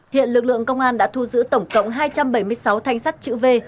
hiện lực lượng công an đã thu giữ tổng cộng hai trăm bảy mươi sáu thanh sắt chữ v